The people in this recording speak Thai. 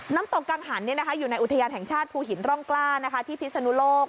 น้ำตกกังหันอยู่ในอุทยานแห่งชาติภูหินร่องกล้าที่พิศนุโลก